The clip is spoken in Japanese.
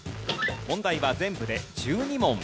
問題は全部で１２問。